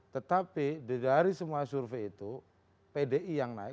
tetapi dari semua survei itu pdi yang naik